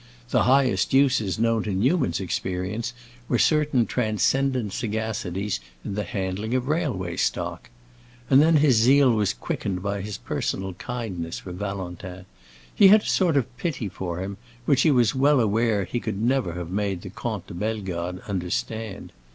The highest uses known to Newman's experience were certain transcendent sagacities in the handling of railway stock. And then his zeal was quickened by his personal kindness for Valentin; he had a sort of pity for him which he was well aware he never could have made the Comte de Bellegarde understand.